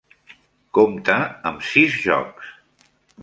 Compta amb sis jocs.